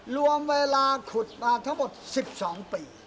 รวมเวลาขุดมาทั้งหมด๑๒ปี